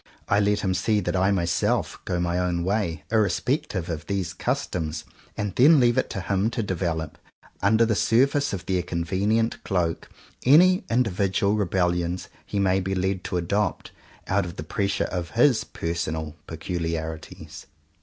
I let him see that I myself, go my own way, irrespec tive of these customs, and then leave it to him to develop, under the surface of their convenient cloak, any individual rebellions he may be led to adopt, out of the pressure of his personal peculiarities.